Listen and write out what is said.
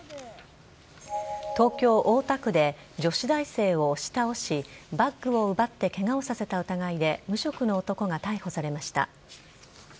東京・大田区で、女子大生を押し倒し、バッグを奪ってけがをさせた疑いで、無職の男が逮捕されました。